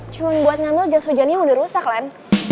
cuman buat ngambil jas hujannya udah rusak lan